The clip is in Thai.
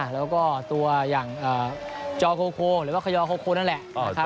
แล้วก็ตัวอย่างจอโคโคหรือว่าขยอโคโคนั่นแหละ